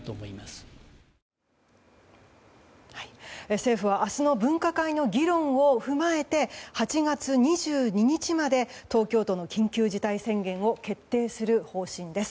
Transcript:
政府は明日の分科会の議論を踏まえて８月２２日まで東京都の緊急事態宣言を決定する方針です。